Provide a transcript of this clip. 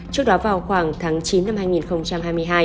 trước đó vào khoảng tháng chín năm hai nghìn hai mươi hai